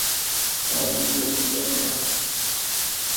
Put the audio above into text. Elle a publié plusieurs ouvrages.